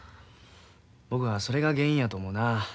僕はそれが原因やと思うな。